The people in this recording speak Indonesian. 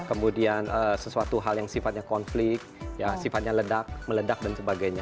kemudian sesuatu hal yang sifatnya konflik ya sifatnya ledak meledak dan sebagainya